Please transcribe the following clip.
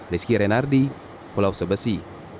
rizky renardi pulau sebesi